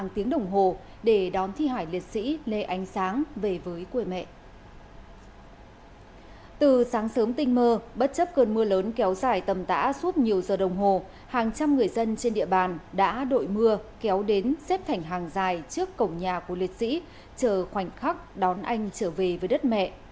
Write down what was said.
trong tuần mưa lớn kéo dài tầm tã suốt nhiều giờ đồng hồ hàng trăm người dân trên địa bàn đã đội mưa kéo đến xếp thành hàng dài trước cổng nhà của liệt sĩ chờ khoảnh khắc đón anh trở về với đất mẹ